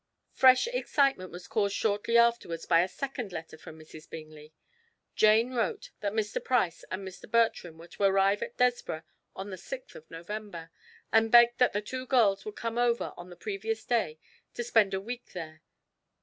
Fresh excitement was caused shortly afterwards by a second letter from Mrs. Bingley. Jane wrote that Mr. Price and Mr. Bertram were to arrive at Desborough on the sixth of November, and begged that the two girls would come over on the previous day to spend a week there.